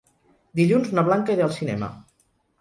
Dilluns na Blanca irà al cinema.